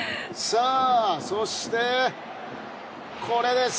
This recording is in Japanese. さあ、そしてこれです。